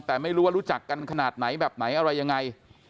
แต่ไม่รู้ว่ารู้จักกันขนาดไหนแบบไหนอะไรยังไง